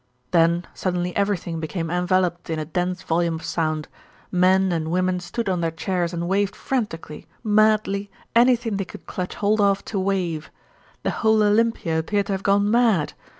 Then suddenly everything became enveloped in a dense volume of sound. Men and women stood on their chairs and waved frantically, madly, anything they could clutch hold of to wave. The whole Olympia appeared to have gone mad.